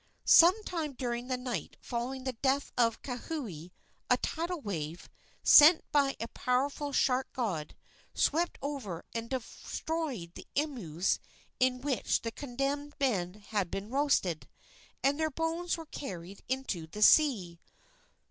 Some time during the night following the death of Kauhi a tidal wave, sent by a powerful shark god, swept over and destroyed the imus in which the condemned men had been roasted, and their bones were carried into the sea.